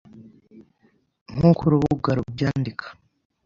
nk’uko urubuge rubyendike.